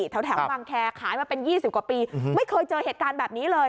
แถวบางแคร์ขายมาเป็น๒๐กว่าปีไม่เคยเจอเหตุการณ์แบบนี้เลย